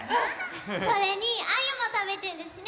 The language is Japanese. それにアユもたべてるしね。